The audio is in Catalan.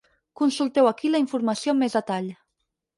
Consulteu aquí la informació amb més detall.